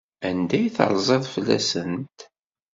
Anda ay terziḍ fell-asent?